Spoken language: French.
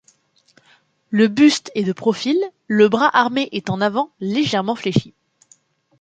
Le buste est de profil, le bras armé est en avant légèrement fléchis.